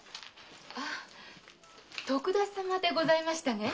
あ徳田様でございましたね？